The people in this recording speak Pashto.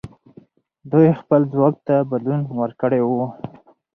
دوی خپل ځواک ته بدلون ورکړی وو.